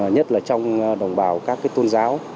nhất là trong đồng bào các tôn giáo